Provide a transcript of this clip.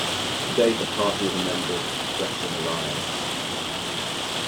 Today, the party is a member of the Progressive Alliance.